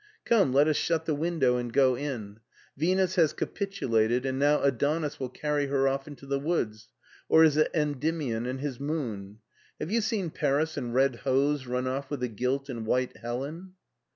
"Come let us shut the window and go in. Venus has capitu lated and now Adonis will carry her off into the woods, or is it Endymion and his moon? Have you seen Paris in red hose run off with the gilt and white Helen